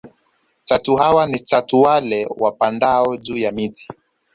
Chatu hawa ni wale chatu wapandao juu ya miti